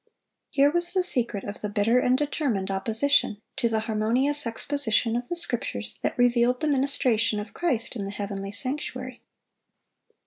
Here was the secret of the bitter and determined opposition to the harmonious exposition of the Scriptures that revealed the ministration of Christ in the heavenly sanctuary.